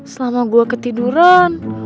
selama gue ketiduran